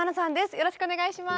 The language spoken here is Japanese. よろしくお願いします。